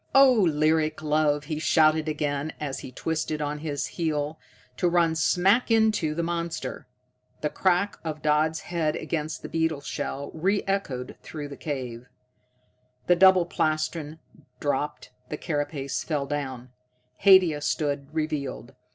"'Oh lyric love '" he shouted again, as he twirled on his heel, to run smack into the monster. The crack of Dodd's head against the beetle shell re echoed through the cave. The double plastron dropped, the carapace fell down: Haidia stood revealed.